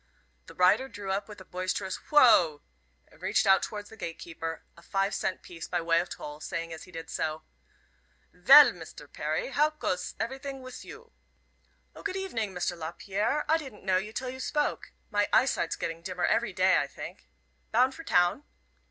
The rider drew up with a boisterous "Woa!" and reached out towards the gate keeper a five cent piece by way of toll, saying as he did so: "Vell, Mister Perry, how coes everytings wiss you?" "O, good evening, Mr. Lapierre; I didn't know you till you spoke. My eyesight's getting dimmer every day, I think. Bound for town?"